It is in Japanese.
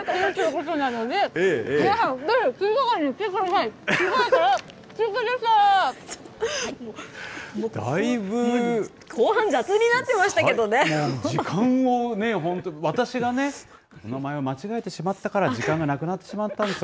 こう煩雑になってましたけど時間をね、本当、私がね、お名前を間違えてしまったから、時間がなくなってしまったんですよ。